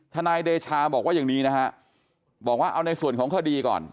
นายเดชาบอกว่าอย่างนี้นะฮะบอกว่าเอาในส่วนของคดีก่อน